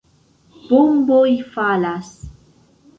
Bomboj falas.